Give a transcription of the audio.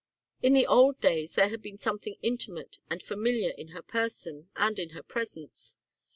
In the old days there had been something intimate and familiar in her person and in her presence.